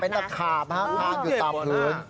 เป็นตะขาบนะครับคลานอยู่ตามพื้น